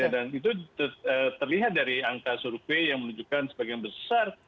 dan itu terlihat dari angka survei yang menunjukkan sebagian besar